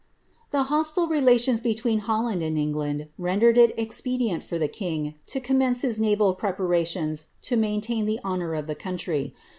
The hostile relations between Holland and England rendered it expe dient for the king to commence his naval preparations to maintain the honour of the country.